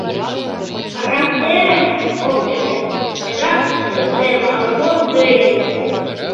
Карактерем ок чыте: тегак сусыртем ала-мо тыйым!..